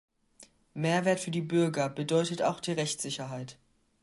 Mehrwert für die Bürger bedeutet auch die Rechtssicherheit.